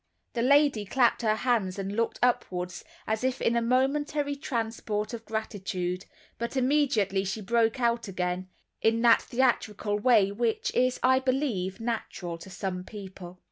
The lady clasped her hands and looked upward, as if in a momentary transport of gratitude; but immediately she broke out again in that theatrical way which is, I believe, natural to some people.